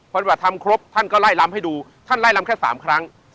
พอพฏิบัติธรรมครบท่านก็ไล่รัมน์ให้ดูท่านไล่รัมน์แค่๓ครั้ง